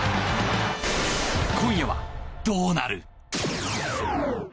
今夜はどうなる。